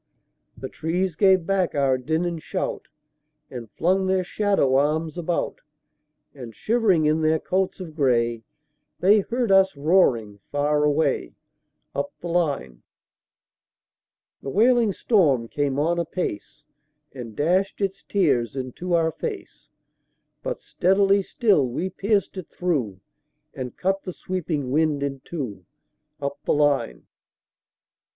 The trees gave back our din and shout, And flung their shadow arms about; And shivering in their coats of gray, They heard us roaring far away, Up the line. The wailing storm came on apace, And dashed its tears into our fade; But steadily still we pierced it through, And cut the sweeping wind in two, Up the line.